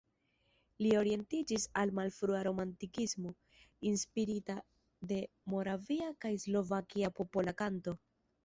Li orientiĝis al malfrua romantikismo, inspirita de moravia kaj slovakia popola kanto.